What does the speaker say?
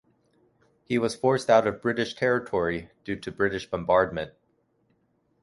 He was forced out of British territory due to British bombardment.